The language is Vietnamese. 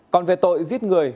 còn về tội giết người